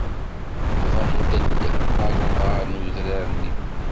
Wwḍent-d ɣer uḍar n udrar-nni.